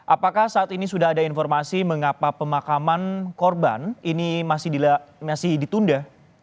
apakah saat ini sudah ada informasi mengapa pemakaman korban ini masih ditunda